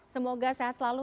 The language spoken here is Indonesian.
semoga sehat selalu